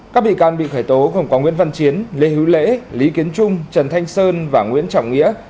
các bị can bị khởi tố gồm có nguyễn văn chiến lê hữu lễ lý kiến trung trần thanh sơn và nguyễn trọng nghĩa